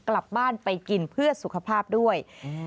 กลับบ้านไปกินเพื่อสุขภาพด้วย